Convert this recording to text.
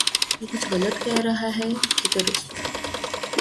وہ کچھ غلط کہہ رہا ہے کہ درست